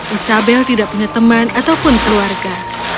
isabel tidak punya teman ataupun keluarga